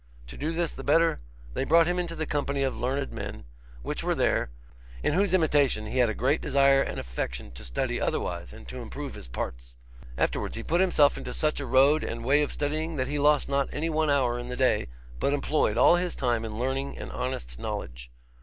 To do this the better, they brought him into the company of learned men, which were there, in whose imitation he had a great desire and affection to study otherwise, and to improve his parts. Afterwards he put himself into such a road and way of studying, that he lost not any one hour in the day, but employed all his time in learning and honest knowledge.